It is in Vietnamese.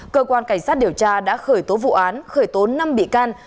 cơ quan cảnh sát điều tra đã khởi tố vụ án khởi tố năm bị can